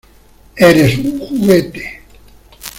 ¡ Eres un juguete!